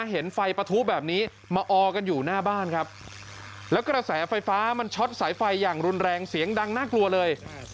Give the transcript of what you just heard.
เห็นไฟปะทุแบบนี้มาออกันอยู่หน้าบ้านครับแล้วกระแสไฟฟ้ามันช็อตสายไฟอย่างรุนแรงเสียงดังน่ากลัวเลย